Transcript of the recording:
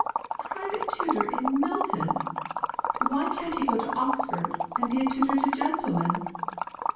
"Private tutor in Milton! Why can't he go to Oxford, and be a tutor to gentlemen?"